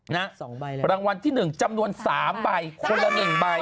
นะรางวัลที่หนึ่งจำนวน๓ใบคนละ๑ใบนะครับ